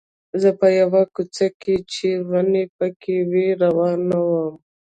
زه په یوه کوڅه کې چې ونې پکې وې روان وم.